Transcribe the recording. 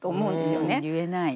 言えない。